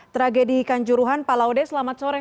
tragedi kanjuruhan pak laude selamat sore